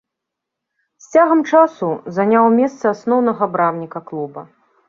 З цягам часу заняў месца асноўнага брамніка клуба.